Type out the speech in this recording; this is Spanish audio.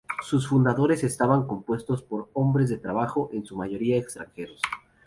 Sus fundadores estaban compuestos por hombres de trabajo, en su mayoría extranjeros.